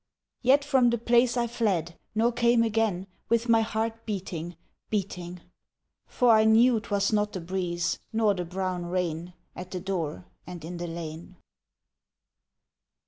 Yet from the place I fled, nor came again, With my heart beating, beating! For I knew 'twas not the breeze nor the brown rain At the door and in the lane!